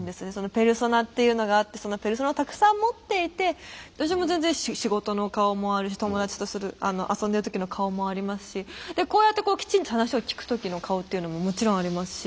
ペルソナっていうのがあってそのペルソナたくさん持っていて私も全然仕事の顔もあるし友達と遊んでる時の顔もありますしこうやってきちんと話を聞く時の顔というのももちろんありますし。